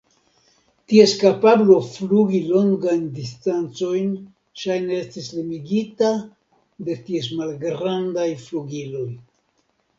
Ties kapablo flugi longajn distancojn ŝajne estis limigita de ties malgrandaj flugiloj.